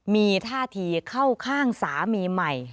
มีท่าทีเข้าข้างสามีใหม่